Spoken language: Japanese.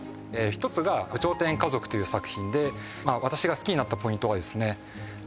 １つが「有頂天家族」という作品で私が好きになったポイントがですね